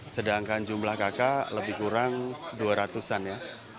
sedangkan jumlah kakak lebih kurang dua ratus an ya